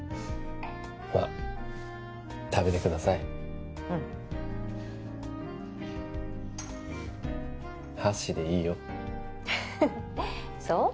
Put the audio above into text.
まあ食べてくださいうん箸でいいよそう？